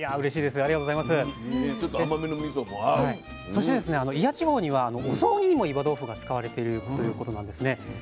そして祖谷地方にはお雑煮にも岩豆腐が使われているということなんですね。